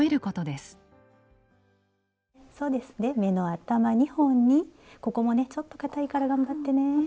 で目の頭２本にここもねちょっとかたいから頑張ってね。